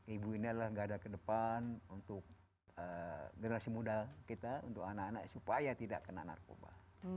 ibu ini adalah gada ke depan untuk generasi muda kita untuk anak anak supaya tidak kena narkoba